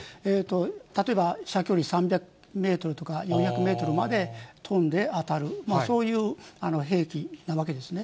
例えば距離３００メートルとか４００メートルまで飛んで当たる、そういう兵器なわけですね。